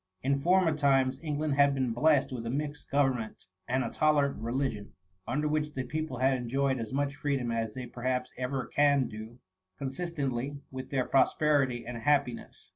In former times, England had been blessed with a mixed government and a tolerant re ligion, under which the people had enjoyed as much freedon^ as they perhaps ever can do, consistently with their prosperity and happiness.